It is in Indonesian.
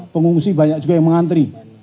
pengungsi banyak juga yang mengantri